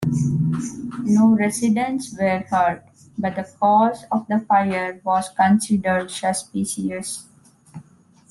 No residents were hurt, but the cause of the fire was considered suspicious.